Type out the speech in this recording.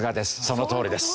そのとおりです。